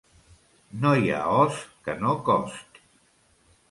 No hi ha os que no cost.